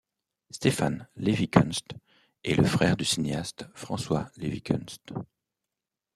Stéphan Lévy-Kuentz est le frère du cinéaste François Lévy-Kuentz.